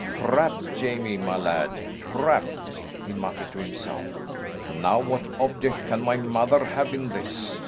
"Trapped, Jamie, my lad! Trapped!" he muttered to himself. "Now what object can my mother have in this?